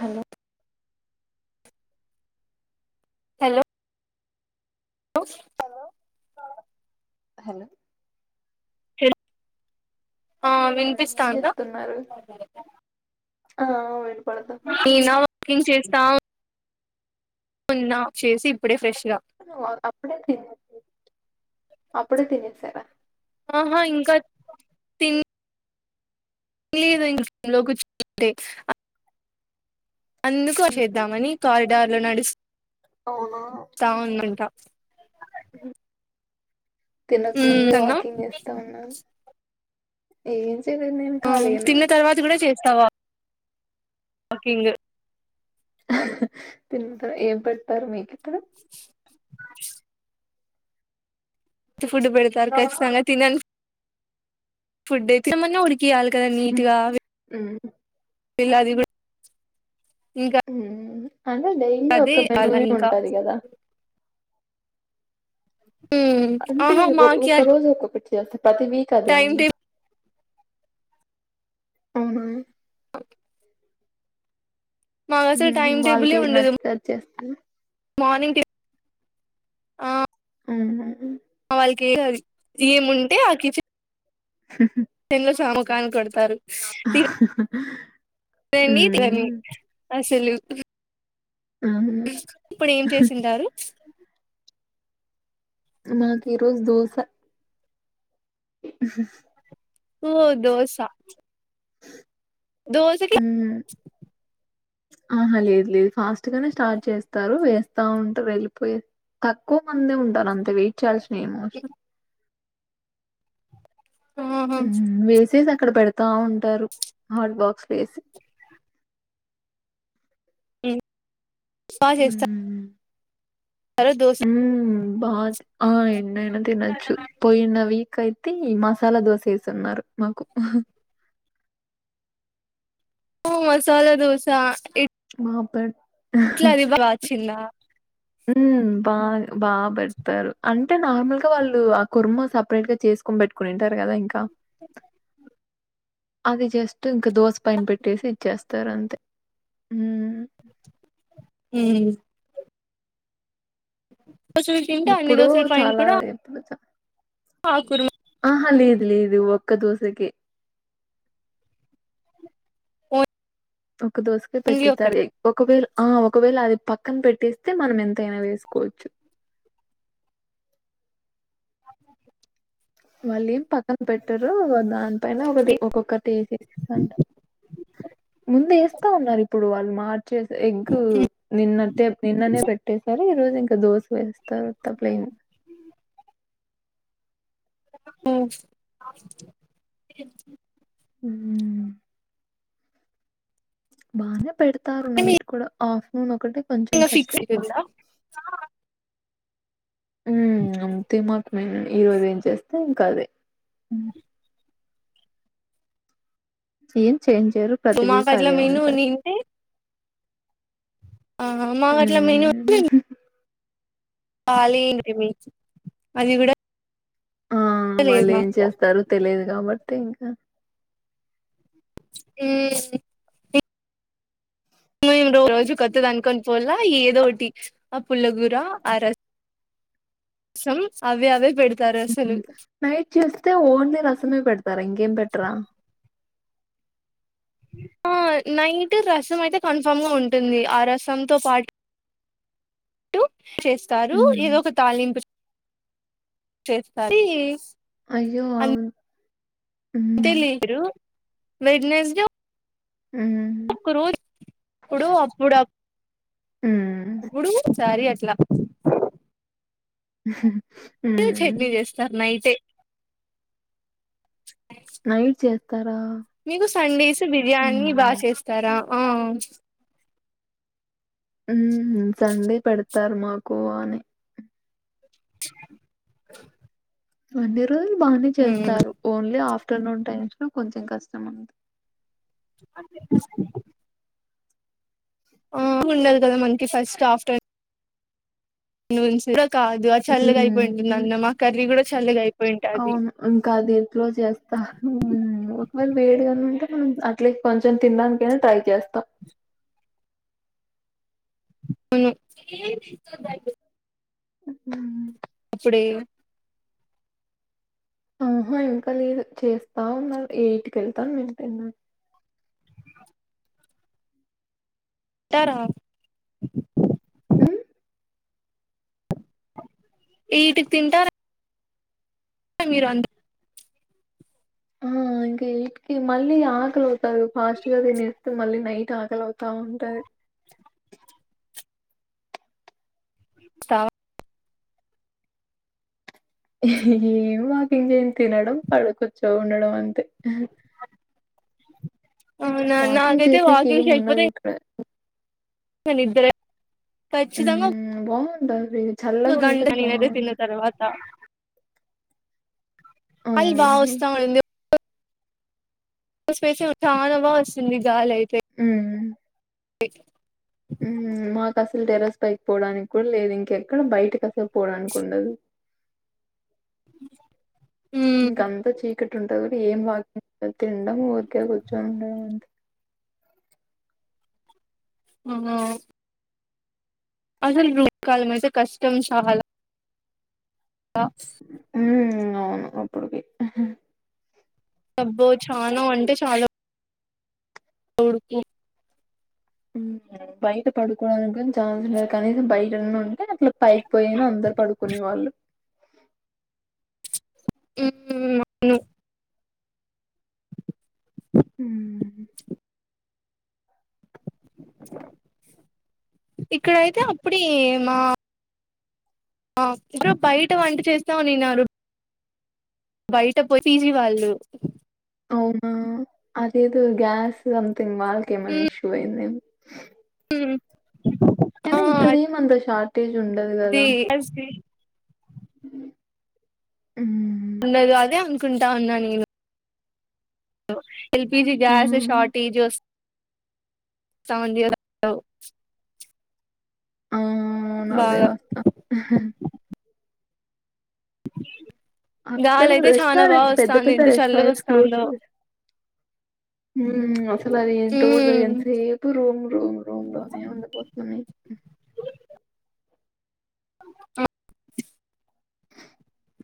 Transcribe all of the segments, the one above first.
Hello hello hello hello ఆ ఏం విన్పిస్తాందా చేస్తున్నారు [unintelligible] నేనా వర్కింగ్ చేస్తా ఉం ఉన్నా చేసి ఇప్పుడే ఫ్రెష్ గా అప్పుడే తిన్ అప్పుడే తినేసార ఆహా ఇంకా తి [unintelligible] కూర్చుంటే అందుకో చేద్దామని కారిడార్లో నడుస్ అవునా స్త ఉందంట. తినకముందే అన్నా వాకింగ్ చేస్తున్నం. ఏం చేయలేదు నేను ఆ ఖాళీగానే తిన్న ఉన్నా తర్వాత కూడా చేస్తావా? వాకింగ్ తి ఏం పెడ్తారు మీకి [inaudible] ఫుడ్ పెడుతారు కచ్చితంగా తిన ఫుడ్ ఎయితే ఏమన్నా ఉడికియాలి కదా నీట్ గా ఉమ్, ఇలాది కూడా ఇంకా ఉమ్. అంటే డైలీ అదే ఒక మెనూ అలా ఎ ఇంకా ఉంటాది గదా అంటే ఆహా మాకి ఒక రోజు ఒక్కొక్కటి ప్రతి వీక్ అదే టైం ఉండు టేబుల్ [inaudible] మాకు అసలు హుహు టైం వాళ్ళకి టేబులే ఏది ఉండదు నచ్చతే చేస్తరు మార్నింగ్ ఆ ఉమ్ హు హు వాళ్ళకి [unintelligible] ఏముంటే ఆ కి కిచెన్ లో చామకానికి పెడతారు [inaudible] అదే అండి ఉమ్ [unintelligible] అసలు ఉమ్. ఇప్పుడెం చేసింటారు నాకిరోజు దోశ [inaudible] ఓ దోస [inaudible] దోసకి హ్మ్ ఆహా లేదు లేదు ఫాస్ట్ గానే స్టార్ట్ చేస్తారు వేస్తా ఉంటే వెళ్ళిపోయ తక్కువ మందే ఉంటారు అంత వెయిట్ చేయాల్సిన ఏమిఅవసరం ఆహా ఉమ్ హు వేసేసి అక్కడ పెడతా ఉంటారు హార్డ్ బాక్స్ లో ఏసి ఇన్ సాగేస్తా హ్మ్ స్తారా దోస బాత్ ఆ ఎన్ని అయినా తినచ్చు పోయిన వీక్ అయి తి మసాలా దోస ఏసున్నారు మాకు ఓ మసాలా దోస ఎ మా పె ఇట్లా రివాచ్చిందా ఉమ్ బా బాగా పెడతారు అంటే నార్మల్గా వాళ్ళు ఆ కుర్మ సపరేట్ గా చేసి తీసుకోని పెట్టుకొనింటారు గదా ఇంకా [inaudible] అది జస్ట్ ఇంకా దోశ పైన పెట్టేసి ఇచ్చేస్తారు అంతే ఉమ్ ఉమ్ దోశలు తింటే అన్ని ఇప్పుడు దోశల పైన చాలా కూడా ఇప్పుడు చా ఆ కుర్మా ఆహా లేదు లేదు ఒ ఒక్క దోస కె పో ఒక్క దోస కె పెట్టిస్తారు ఎ ఒకవేళ ఆ ఒకవేళ అది పక్కన పెట్టేస్తే మనం ఎంతైనా వేసుకోవచ్చు అ [inaudible] వాలేం పక్కన పెట్టరు అదా దాని పైన ఒక్కటి ఒక్కొక్కటి ఏస్తా ముందు ఏస్తా వున్నారు ఇప్పుడు వాళ్ళు మార్చేసే ఎగ్ నిన్నదే నిన్ననే పెట్టసా ఈ రోజు ఇంకా దోశ వేస్తారు ఉత్త ప్లేన్ అ ఉ బానే పెడతారు నైట్ కూడా ఆఫ్టర్నూన్ ఒక కుంటే కొంచెం ఫిక్స్ కష్టం అయితుందా హు అంతే మాకు మేము ఈరోజు ఏం చేస్తే ఇంకా అదే సీన్ చేంజ్ చేయరు ప్రతి మాకు వీక్ అట్లా అదే మెనూ ఉంటంది ఉన్నింటే ఆ మా అట్ల మెనూ [inaudible] హ్మ్. అలీ అది కూడా ఆ వాళ్ళు లేదు మా ఏం చేస్తారు తెలియదు కాబట్టి ఇంకా ఉమ్ మేమ్ రోజు కొత్తది అనుకొని పోల్ల ఏదోటి ఆ పుల్లగూర అరస్ సామ్ అవే అవే పెడు హుహు నైట్ చేస్తే ఓన్లీ రసమే పెడతారా ఇంకేం పెట్టరా ఆ నైట్ రసం అయితే కన్ఫామ్గా ఉంటుంది ఆ రసంతో పాటు చేస్తారు ఏదో హ్మ్. ఒక తాళింపు చేస్తారు అది అయ్యో అవును అంతే హ్మ్. లిరు వెడ్నెస్ డే హుహు ఒక్క రోజు ఇప్పుడు అప్పుడుప్పు హ్మ్. గుడు సారి అట్లా హా చట్నీ చేస్తారు నైటే నైట్ చేస్తారా? మీకు సండేస్ బిర్యానీ బాగా హ్మ్. చేస్తారా ఆ హ్మ్ హు సండే పెడతారు మాకు బానే అన్ని రోజులు బానే మ్మ్ చేస్తారు ఓన్లీ ఆఫ్ ఆఫ్టర్నూన్ టైమ్స్ లో కొంచెం కష్టం అంతే [inaudible] ఆ ఉండాలి కదా మనకి ఫస్ట్ ఆఫ్టర్నూన్ నూన్స్ కాదు ఆ చల్లగా అయిపోయింటుంది హ్మ్. అన్నం మా కర్రీ కూడా చల్లగా అయిపోయింటది అట్లో చేస్తా ఒకవేళ వేడిగాను ఉంటే మనం అట్లే కొంచెం తినడానికైనా ట్రై చేస్తాం [inaudible] అవును [inaudible] [inaudible] అప్పుడే ఆహా ఇంకా లేదు చేస్తా ఉన్నారు ఎయిట్కి వెళ్తాను తినడానికి తర ఉం ఎయిట్ కి తింటారా మీరు ఆ ఇంకా ఎయిట్ కి మళ్ళీ ఆకలితాది ఫాస్ట్ గా తినస్త మళ్ళీ నైట్ ఆకలి అవుత ఉంటాది సవా ఏమి మాకి ఇంకేం తినడం పడ కూర్చో ఉండడం అంతే అవునా వాకింగ్ నాకైతే చేసేకి వాకింగ్కి చేయకపోతే ఏముండదిక్కడ. నిద్దరే ఖచ్చితంగా హ్మ్. బావుంటది. గంట చల్లగుంటే నేనైతే తిన్న బావుంటది. తర్వాత ఆ! అ బా హ్మ్. వస్త ఉంది పేసి చాలా బాగా వస్తుంది గాలి అయితే [inaudible] ఉమ్ మాకు అసలు టెరస్ పైకి పోవడానికి కూడా లేదు ఇంకెక్కడ బయటకి ఆసలు పోడన్ కుండదు అ ఇంక అంతా చీక టీ [unintelligible] ఏం వాకింగ్ [unintelligible] తిండము ఊరికే కూర్చుండం అంతే [inaudible] మళ్ల అసలు ఎండ కాలం అయితే కష్టం చాలా హ ఉమ్ అవును అప్పుడుకి అబ్బో చానా అంటే చాలా [inaudible] ఉమ్ బయట పడుకోవడానికి ఛాన్స్ లే కనీసం బయటన్న ఉంటే [unintelligible] పైకిపోయినా అందరు పడుకునే వాళ్ళు [inaudible] ఉమ్ ఇక్కడయితే అప్పుడే మా ఆ ఇక బయట వంట చేస్తా వునీన్నారు బయట పో పిజీ వాళ్ళు అవునా అదేదో గ్యాస్ సంథింగ్ వాళ్ళకి ఏమన్నా ఇష్యూ అయింది ఏమో ఉమ్ అయినా ఇక్కడ ఏమంత షార్టేజ్ ఉండదు కదా అది ఉమ్ ఉండదు అనే అనుకుంటా ఉన్నా నేను ఎల్పిజీ గ్యాస్ హ్మ్. షార్టేజ్ స్ [inaudible] అవునా [unintelligible] వస్తా అక్కడ గాలి అయితే చానా బాగా రెస్టారెంట్స్ పెద్ద వస్తాంది పెద్ద ఎంత చల్లగా రెస్టారెంట్స్ క్లోజ్ వస్తాందో చే ఉమ్ అసలు ఆది ఏంటో కూడా తెలీదు ఉమ్ ఎంతసేపు రూమ్ రమ్ రోమ్ లో నే ఉండపోతున్నాయి అ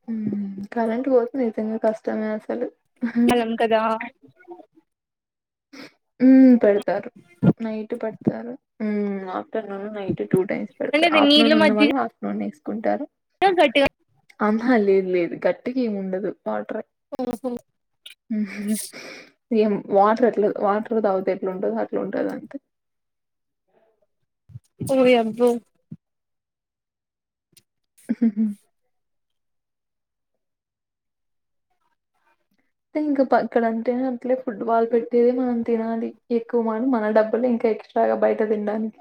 ఉమ్ కరెంట్ పోతుంది [inaudible] కష్టమే అసలు ఎంతగా ఉమ్ పెడతారు నైట్ పేడతారు ఉమ్ afternoon night time అంటే పెడారు అది నీళ్ళ ఆఫటర్నూన్ మజ్జిగ ఉన్నళ్ళు ఆఫటర్నూన్ వేసుకుంటారు గట్టిగా అంహా లేదు లేదు గట్టిగా ఏమి ఉండదు వాటర్ [inaudible] వాటర్ అట్ ట్ వాటర్ తాగుతే ఎట్లా ఉంటది అట్లా ఉంటది అంతే ఓయాబ్బో హా హా టింక్ పా అక్కడంతే అట్లే ఫుడ్ వాల్ పెట్టేది మనం తినాలి ఎక్కువ మనం మన డబ్బులు ఇంకా ఎక్స్ట్రాగా బయట తిినడానికి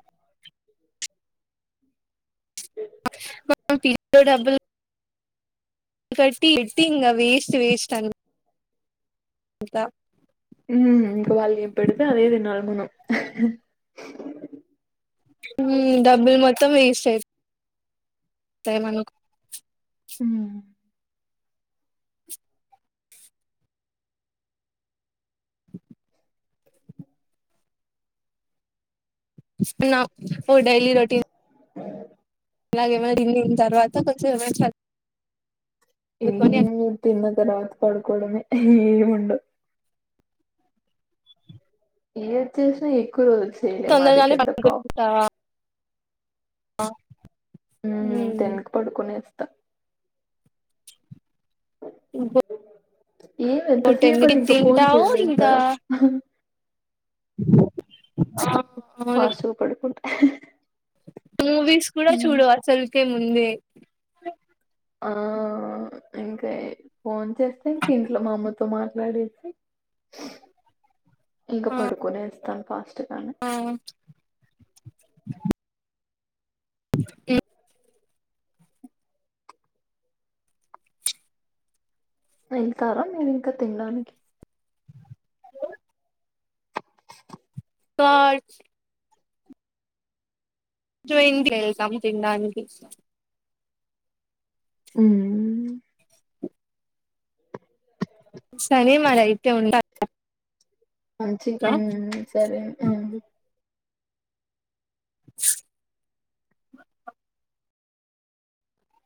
[inaudible] డబ్బులు ఫిఫ్టీ ఫిఫ్టీ ఇంగ వేస్ట్ వేస్ట్ అను కుంటా ఉమ్ ఇంకా వాళ్ళు ఏమి పెడితే అదే తినాలి మనం ఉమ్ డబ్బులు మొత్తం వేస్ట్ అయి తాయ్ మనకు ఉ వస్తున్నావు ఓ డైలీ రోటీన్ అ ఇలాగ ఏమైనా రినిన్ తర్వాత కొంచెం ఏమన్ చ ఏం లేదు తిన్న తర్వాత పడుకోవడమే ఏముండవు ఏ వచ్చేసినా ఎక్కువ రోజులు చేయలేము అది తొందరగానే పెద్ద ప్రాబ్లం ఆ ఉ తినకు పడుకోనే ఏస్తా ఇంకా ఏం ఎంతసేపు అది ఇంకా ఫోన్ చూడలేదు కదా ఆహా అ వస్తూ కు పడుకుంటా మూవీస్ కూడా హ్మ్ చూడవు అసలుకే ముందే ఆ ఇంకే ఫోన్ చేస్తే ఇంకా ఇంట్లో మా అమ్మతో మాత్ వడితే ఇంకా పడుకునే ఏస్తాను ఫాస్ట్ గా ఆ వుచు [unintelligible] వెళ్తారా మీరు ఇంకా తినడానికి కాయిచు జూయింగ్ వీలెల్ సంథింగ్ దానికి మ్మ్మ్మ్ సరే మరి అయితే ఉంట మంచిది ఉ సరే ఉం